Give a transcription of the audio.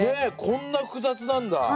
こんな複雑なんだ。